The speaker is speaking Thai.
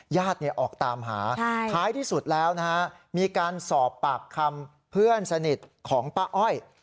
ญาติออกตามหาท้ายที่สุดแล้วนะฮะมีการสอบปากคำเพื่อนสนิทของป้าอ้อย